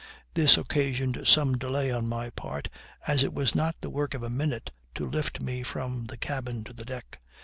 This occasioned some delay on my part, as it was not the work of a minute to lift me from the cabin to the deck.